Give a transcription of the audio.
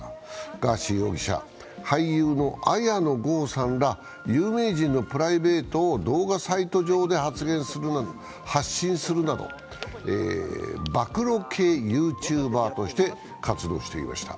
ガーシー容疑者、俳優の綾野剛さんら有名人のプライベートを動画サイト上で発信するなど暴露系ＹｏｕＴｕｂｅｒとして活動していました。